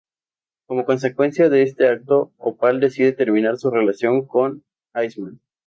Como consecuencia de este acto, Opal decide terminar su relación con Iceman.